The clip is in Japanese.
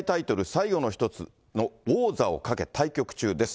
最後の１つの王座をかけ対局中です。